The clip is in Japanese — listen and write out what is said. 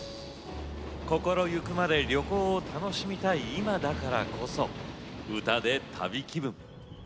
心行くまで旅行を楽しみたい今だからこそ、歌で旅気分。